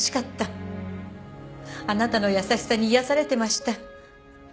あなたの優しさに癒やされてました。